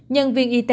nhân viên y tế